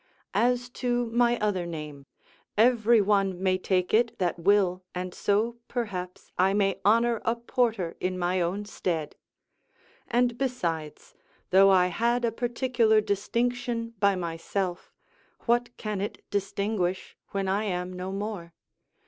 As to my other name, every one may take it that will, and so, perhaps, I may honour a porter in my own stead. And besides, though I had a particular distinction by myself, what can it distinguish, when I am no more?